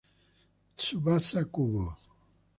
Tsubasa Kubo